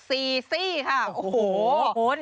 ซี่ค่ะโอ้โฮโอ้โฮ